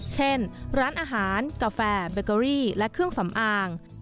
เช่นร้านอาหารกาแฟเบเกอรี่และเครื่องสำอาง